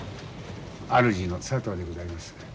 主の佐藤でございます。